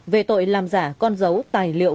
về tội làm giả con dấu tài liệu